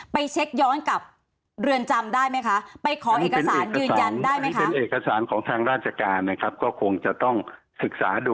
ไปเช็กย้อนกับเรือนจำได้ไหมค่ะ